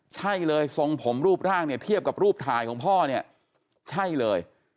ใช่เลยทรงผมรูปร่างเนี่ยเทียบกับรูปถ่ายของพ่อเนี่ยใช่เลย